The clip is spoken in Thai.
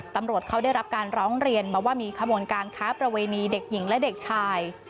ตำรวจเขาได้รับการร้องเรียนมาว่ามีขบวนการค้าประเวณีเด็กหญิงและเด็กชาย